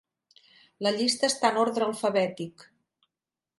La llista està en ordre alfabètic.